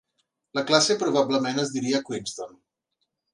La classe probablement es diria "Queenston".